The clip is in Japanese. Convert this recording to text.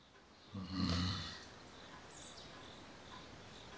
うん。